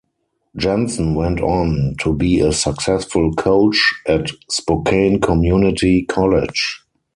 Jensen went on to be a successful coach at Spokane Community College.